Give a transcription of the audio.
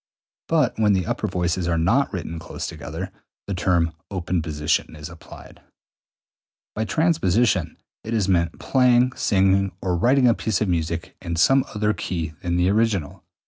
But when the upper voices are not written close together, the term open position is applied. 215. By transposition is meant playing, singing, or writing a piece of music in some other key than the original.